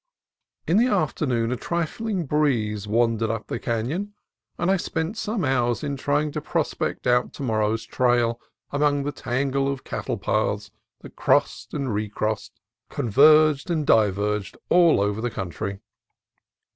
In the afternoon a trifling breeze wandered up the canon, and I spent some hours in trying to prospect out to morrow's trail among the tangle of cattle paths that crossed and recrossed, converged and diverged, all over the country.